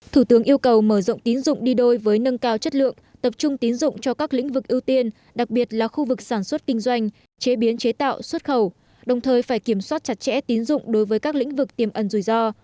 thủ tướng yêu cầu mở rộng tín dụng đi đôi với nâng cao chất lượng tập trung tín dụng cho các lĩnh vực ưu tiên đặc biệt là khu vực sản xuất kinh doanh chế biến chế tạo xuất khẩu đồng thời phải kiểm soát chặt chẽ tín dụng đối với các lĩnh vực tiềm ẩn rủi ro